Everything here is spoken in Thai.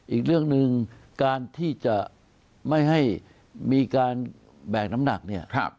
อีกเรื่องหนึ่งการที่จะไม่ให้มีการแบกน้ำหนักเนี่ย